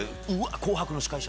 「紅白」の司会者。